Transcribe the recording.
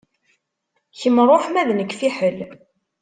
Kemm ṛuḥ ma d nekk fiḥel.